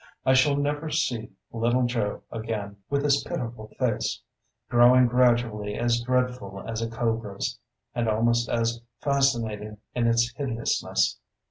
I shall never see little Joe again, with his pitiful face, growing gradually as dreadful as a cobra's, and almost as fascinating in its hideousness.